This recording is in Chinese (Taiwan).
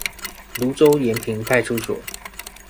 蘆洲延平派出所